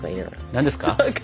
何ですか？